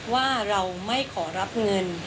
ว่าเราไม่ขอรับเงิน